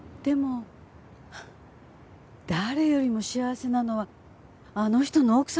でも誰よりも幸せなのはあの人の奥さんね。